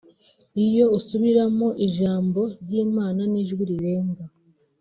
iyo usubiramo ijambo ry’Imana n’ijwi rirenga